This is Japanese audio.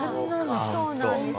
そうなんですよ。